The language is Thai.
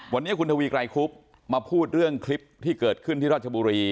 วันนี้คุณทวีไกรคุบมาพูดเรื่องคลิปที่เกิดขึ้นที่ราชบุรี